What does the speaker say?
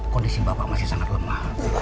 kondisi bapak masih sangat lemah